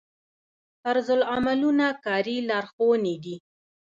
طرزالعملونه کاري لارښوونې دي